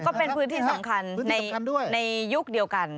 ก็เป็นพื้นที่สำคัญในยุคเดียวกัน